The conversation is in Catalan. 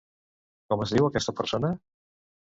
Com es diu, aquesta persona?